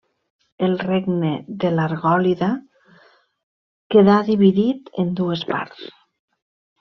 El regne de l'Argòlida quedà dividit en dues parts.